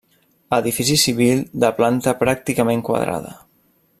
Edifici civil de planta pràcticament quadrada.